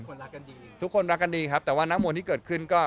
รักกันดีทุกคนรักกันดีครับแต่ว่านักมวยที่เกิดขึ้นก็